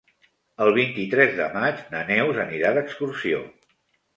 El vint-i-tres de maig na Neus anirà d'excursió.